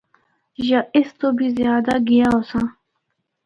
یا اس تو بھی زیادہ گیا ہوساں۔